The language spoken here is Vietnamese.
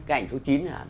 cái ảnh số chín này hả